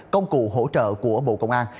công cụ hỗ trợ của bộ công an